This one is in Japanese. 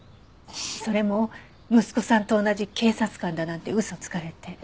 それも息子さんと同じ警察官だなんて嘘つかれて。